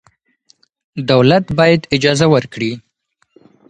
دولت باید اجازه ورکړي.